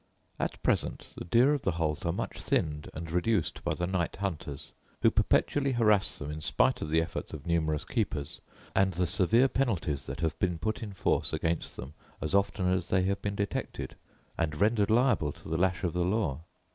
At present the deer of the Holt are much thinned and reduced by the night hunters, who perpetually harass them in spite of the efforts of numerous keepers, and the severe penalties that have been put in force against them as often as they have been detected, and rendered liable to the lash of the law.